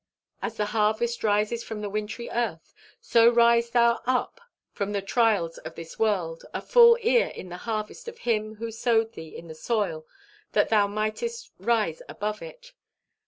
As the harvest rises from the wintry earth, so rise thou up from the trials of this world a full ear in the harvest of Him who sowed thee in the soil that thou mightest rise above it.